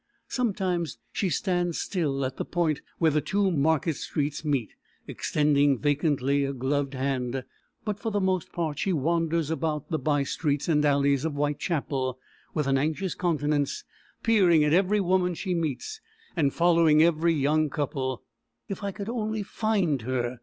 Sometimes she stands still at the point where the two market streets meet, extending vacantly a gloved hand, but for the most part she wanders about the by streets and alleys of Whitechapel with an anxious countenance, peering at every woman she meets, and following every young couple. "If I could only find her!"